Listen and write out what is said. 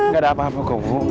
gak ada apa apa ke bu